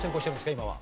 今は。